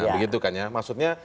begitukah ya maksudnya